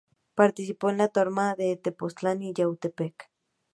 Participó en las tomas de Tepoztlán y Yautepec.